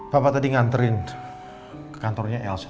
bapak tadi nganterin ke kantornya elsa